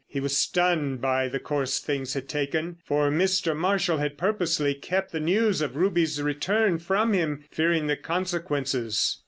He was stunned by the course things had taken, for Mr. Marshall had purposely kept the news of Ruby's return from him, fearing the consequences.